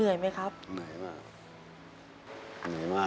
คุณหมอบอกว่าเอาไปพักฟื้นที่บ้านได้แล้ว